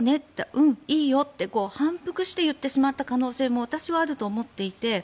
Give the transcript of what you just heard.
うん、いいよって反復して言ってしまった可能性も私はあると思っていて。